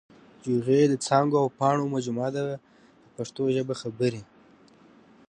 جوغې د څانګو او پاڼو مجموعه ده په پښتو ژبه خبرې.